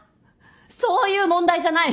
そういう問題じゃない！